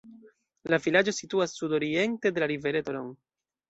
La vilaĝo situas sudoriente de la rivereto Ron.